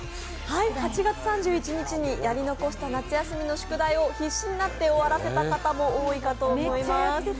８月３１日にやり残した夏休みの宿題を必死になって終わらせた方も多いと思います。